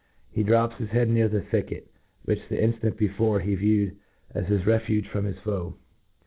— ^hc drops dej^d near the thicket ^ which the inftant before he viewed as hia refuge from his foe.